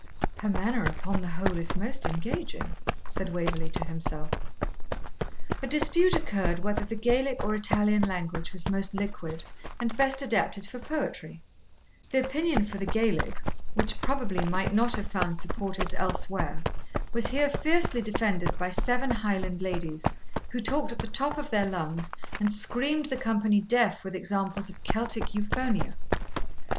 'Her manner, upon the whole, is most engaging,' said Waverley to himself. A dispute occurred whether the Gaelic or Italian language was most liquid, and best adapted for poetry; the opinion for the Gaelic, which probably might not have found supporters elsewhere, was here fiercely defended by seven Highland ladies, who talked at the top of their lungs, and screamed the company deaf with examples of Celtic euphonia.